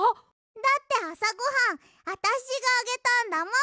だってあさごはんあたしがあげたんだもん！